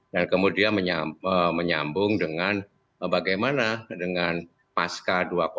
dan kemudian menyambung dengan bagaimana dengan pasca dua ribu dua puluh empat